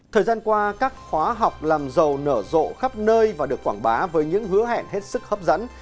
thời gian qua các khóa học làm dầu nở rộ khắp nơi và được quảng bá với những hứa hẹn hết sức hấp dẫn